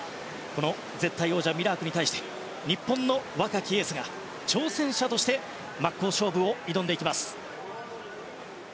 この絶対王者ミラークに対して日本の若きエースが挑戦者として真っ向勝負を挑んでいきます。